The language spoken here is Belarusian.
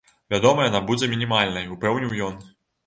Вядома яна будзе мінімальнай, упэўніў ён.